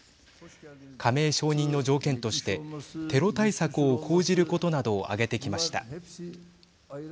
加盟承認の条件としてテロ対策を講じることなどを挙げてきました。